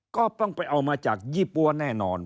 ก็ต้องไปเอามาจากยี่ปั๊วแน่นอน